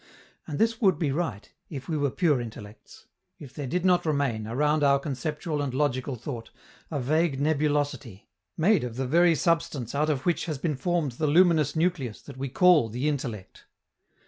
And this would be right if we were pure intellects, if there did not remain, around our conceptual and logical thought, a vague nebulosity, made of the very substance out of which has been formed the luminous nucleus that we call the intellect.